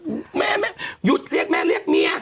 ฉันอยู่เรียกมีเรียกเมีย